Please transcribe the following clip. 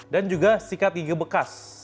dan juga sikat gigi bekas